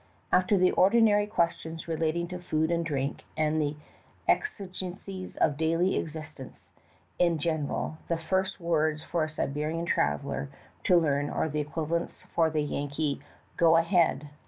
After the ordinary questions relating to food and drink and the exigencies of daily existence in general, the first words for a Siberian traveler to learn are the equivalents for the Yankee "Go ahead!"